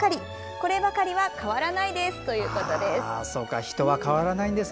こればかりは変わらないですということです。